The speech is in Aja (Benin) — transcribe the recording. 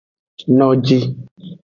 Noji.